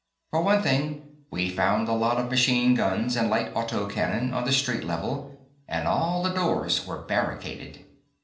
For one thing, we found a lot of machine guns and light auto cannon on the street level, and all the doors were barricaded.